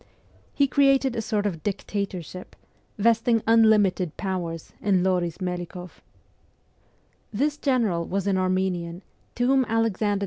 He created a sort of dictatorship, vesting unlimited powers in Loris Melikoff. This General was an Armenian, to whom Alexander II.